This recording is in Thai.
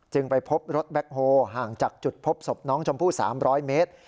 ไปพบรถแบ็คโฮห่างจากจุดพบศพน้องชมพู่๓๐๐เมตร